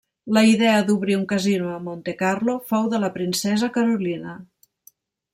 La idea d'obrir un casino a Montecarlo fou de la princesa Carolina.